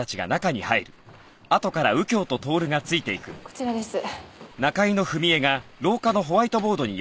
こちらです。